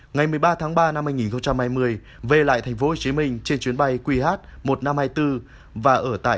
ngày một mươi ba tháng ba năm hai nghìn hai mươi về lại tp hcm trên chuyến bay qh một nghìn năm trăm hai mươi bốn và ở tại khách sạn thuộc quận một và quận bốn